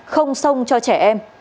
không xông cho trẻ em